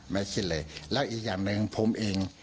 ไม่คิดเลยแล้วอีกอย่างหนึ่งผมเอง